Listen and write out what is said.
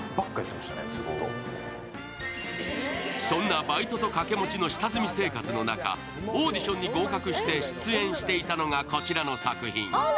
そんなバイトとかけ持ちの下積み生活の中オーディションに合格して出演していたのがこちらの作品。